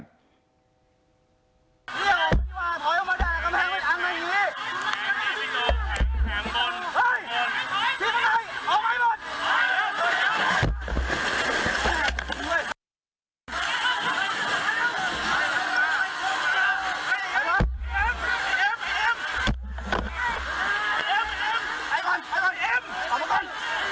นี่เอาออกมาที่ว่าถอยออกมาแดกแมงอังไงนี้